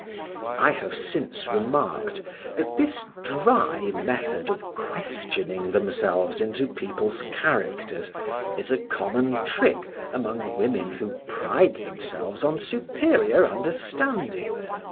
I have since remarked that this dry method of questioning themselves into people's characters is a common trick among women who pride themselves on superior understanding.